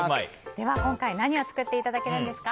では今回何を作っていただけるんですか？